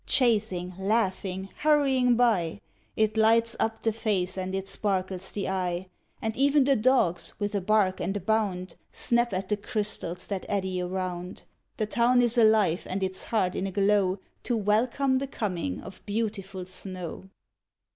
Chasing, Laughing, Hurrying by, It lights up the face and it sparkles the eye; And even the dogs, with a bark and a bound, Snap at the crystals that eddy around. The town is alive, and its heart in a glow, To welcome the coming of beautiful snow.